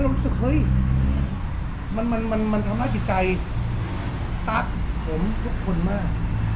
เรารู้สึกเฮ้ยมันทำร้ายผิดใจผมทุกคนมาก